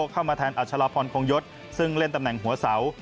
เข้ามาแทนอัชลพรคงยศซึ่งเล่นตำแหน่งหัวเสา